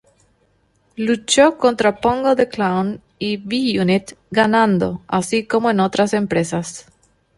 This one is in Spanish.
Luchó contra Pongo the Clown y V-unit ganando, así como en otras empresas.